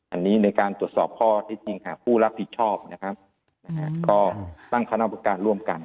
อันนี้ในการตรวจสอบข้อที่จริงหาผู้รับผิดชอบนะครับก็ตั้งคณะประการร่วมกัน